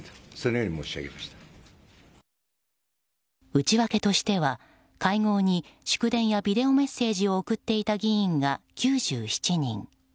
内訳としては会合に祝電やビデオメッセージを送っていた議員が９７人。